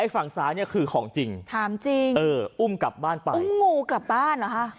ฝั่งซ้ายเนี่ยคือของจริงถามจริงเอออุ้มกลับบ้านไปอุ้มงูกลับบ้านเหรอฮะ